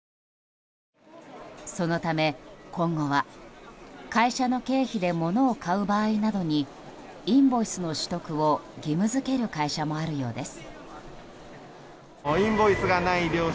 そのため、今後は会社の経費で物を買う場合などにインボイスの取得を義務付ける会社もあるようです。